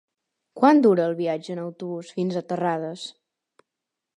Quant dura el viatge en autobús fins a Terrades?